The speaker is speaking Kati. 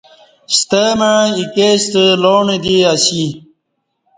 ستہ مع ایکے ستہ لاݨہ دی اسی